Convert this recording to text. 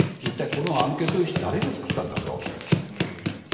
このアンケート用紙を誰が作ったんだと。